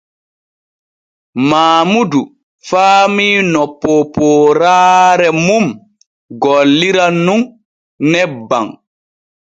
Maamudu faamii no poopooraare mum golliran nun nebban.